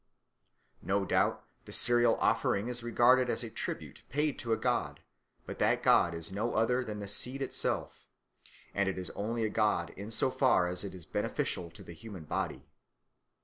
No doubt the cereal offering is regarded as a tribute paid to a god, but that god is no other than the seed itself; and it is only a god in so far as it is beneficial to the human body."